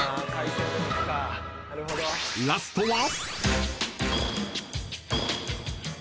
［ラストは］